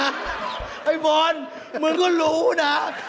ไอ้บอลมึงก็รู้นะ